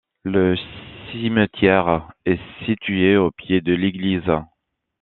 Le cimetière est situé au pied de l'église.